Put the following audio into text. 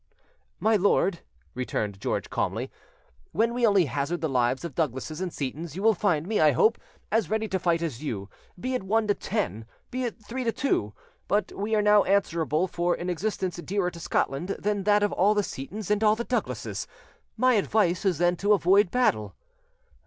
"My lord," returned George calmly, "when we only hazard the lives of Douglases and Seytons, you will find me, I hope, as ready to fight as you, be it one to ten, be it three to two; but we are now answerable for an existence dearer to Scotland than that of all the Seytons and all the Douglases. My advice is then to avoid battle."